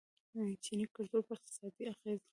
چیني کلتور په اقتصاد اغیز لري.